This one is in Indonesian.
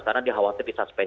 karena dihawasi di suspend